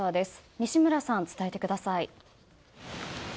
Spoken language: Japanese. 西村さん、伝えてください。